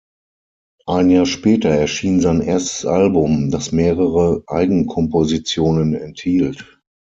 Ein Jahr später erschien sein erstes Album, das mehrere Eigenkompositionen enthielt.